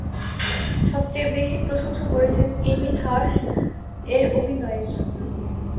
সবচেয়ে বেশি প্রশংসা করেছেন "এমিল হার্শ"-এর অভিনয়ের।